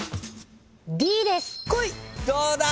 どうだ？